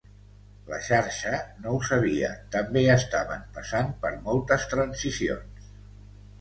La xarxa no ho sabia, també estaven passant per moltes transicions.